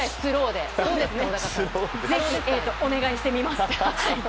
お願いしてみます。